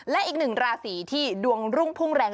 และอีกหนึ่งราศีที่ดวงรุ่งพุ่งแรง